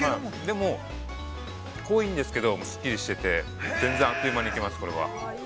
でも、濃いんですけれども、すっきりしていて、全然あっという間にいけます。